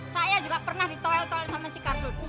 saya juga pernah ditolong sama si kardun